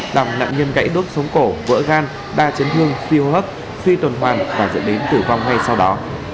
làm nạn nhân gãy đốt sống cổ vỡ gan ba chấn thương phi hô hấp phi tồn hoàn và dẫn đến tử vong ngay sau đó